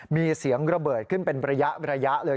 มีเสียงระเบิดขึ้นเป็นระยะเลย